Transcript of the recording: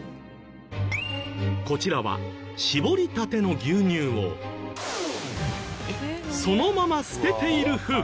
こちらは搾りたての牛乳をそのまま捨てている風景。